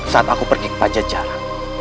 saat aku pergi ke pajajaran